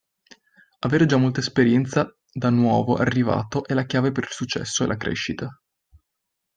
Avere già molta esperienza da nuovo arrivato è la chiave per il successo e la crescita.